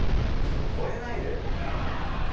ちょっと越えないでよ。